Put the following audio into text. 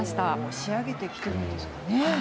仕上げてきているんですかね。